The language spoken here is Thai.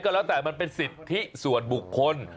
แล้วแต่มันเป็นสิทธิส่วนบุคคล